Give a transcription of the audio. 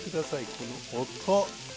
この音。